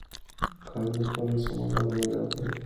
قانون د کړنو د سمون لار برابروي.